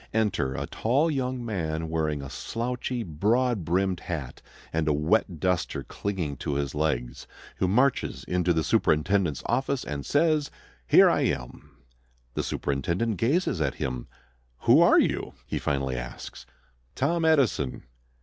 Enter a tall young man wearing a slouchy, broad brimmed hat and a wet duster clinging to his legs, who marches into the superintendent's office, and says: "Here I am." The superintendent gazes at him. "Who are you?" he finally asks. "Tom Edison."